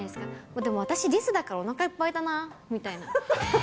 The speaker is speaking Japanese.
でも私リスだからおなかいっぱいだなみたいな。